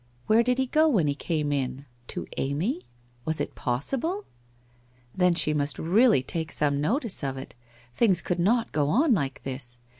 Where did he go when he came in? To Amy ? Was it possible ? Then she must really take some notice of it? Things could not go on like this.